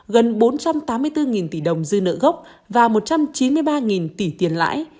gần bốn trăm tám mươi bốn tỷ đồng dư nợ gốc và một trăm chín mươi ba tỷ tiền lãi